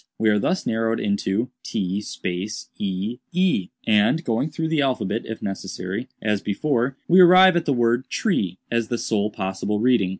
We are thus narrowed into t ee, and, going through the alphabet, if necessary, as before, we arrive at the word 'tree,' as the sole possible reading.